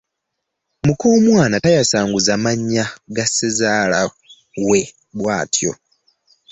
Muk'omwana tayasanguza mannya ga ssezaalawe bwatyo!